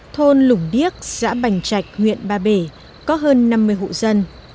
thôn lũng điếc xã bành trạch huyện ba bể có hơn năm mươi hộ dân